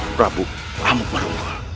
prabu amuk merunggul